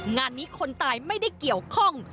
งานนี้คนตายไม่ได้เกี่ยวข้อง